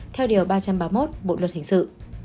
theo điều ba trăm ba mươi một bộ luật hình sự